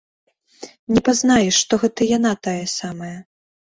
Не пазнаеш, што гэта яна тая самая.